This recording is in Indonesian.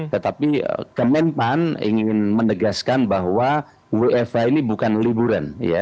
tetapi kemenpan ingin menegaskan bahwa wfa ini bukan liburan